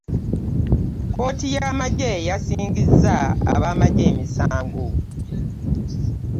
Kkooti ya maggye yasingisiza abamaggye emisango.